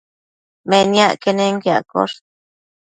Meniac quenenquiaccosh